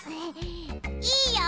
いいよ！